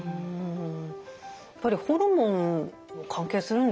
やっぱりホルモンも関係するんですかね？